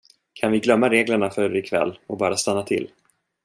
Kan vi glömma reglerna för ikväll och bara stanna till?